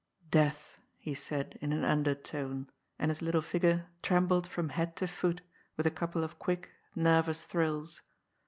*^ Death," he said in an undertone, and his little figure trembled from head to foot with a couple of quick, nervous thrills.